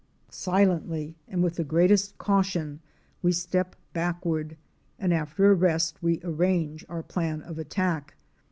Silently and with the greatest caution we step backward, and after a rest w plan of attack.